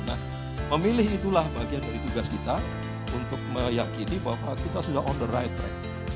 nah memilih itulah bagian dari tugas kita untuk meyakini bahwa kita sudah on the right track